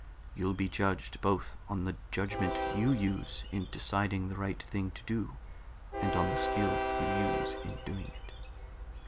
You'll be judged both on the judgment you use in deciding the right thing to do, and on the skill you use in doing it."